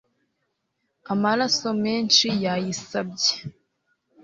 Amaraso menshi yayisabye